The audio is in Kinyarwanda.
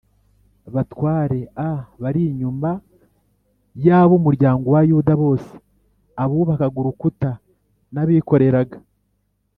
batware a bari inyuma y ab umuryango wa Yuda bose Abubakaga urukuta n abikoreraga